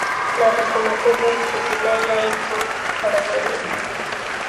له حکومتونو څه ګیله یا یې څوک پړ بولي.